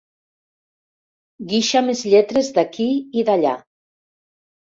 Guixa més lletres d'aquí i d'allà.